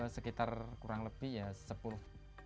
sekitar kurang lebih sepuluh tahun